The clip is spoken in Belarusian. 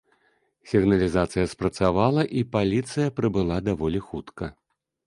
Сігналізацыя спрацавала, і паліцыя прыбыла даволі хутка.